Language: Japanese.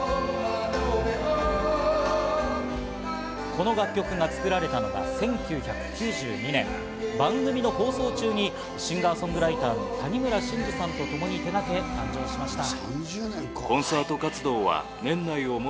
この楽曲が作られたのが１９９２年、番組の放送中にシンガー・ソングライターの谷村新司さんとともに手がけ、誕生しました。